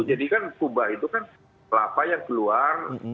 jadi kan kubah itu kan kelapa yang keluar